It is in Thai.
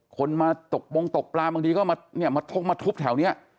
คนมาตกมงตกปลาบางทีก็มาทุบแถวเนี่ย